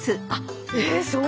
あっえっ！？